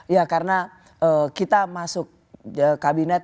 ya karena kita masuk kabinet